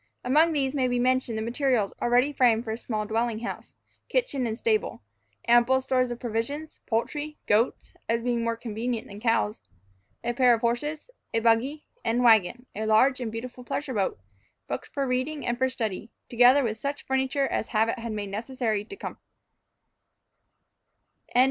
Among these may be mentioned the materials already framed for a small dwelling house, kitchen, and stable; ample stores of provisions, poultry, goats (as being more convenient than cows), a pair of horses, a buggy, and wagon, a large and beautiful pleasure boat, books for reading, and for study, together with such furniture as habit had made necessary to comfort.